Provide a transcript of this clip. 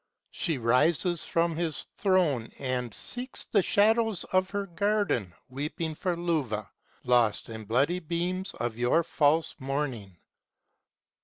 270 She rises from his throne and seeks the shadows of her garden Weeping for Luvah, lost in bloody beams of your false morning.